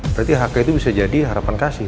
berarti hk itu bisa jadi harapan kasih